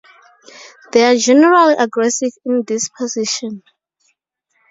They are generally aggressive in disposition.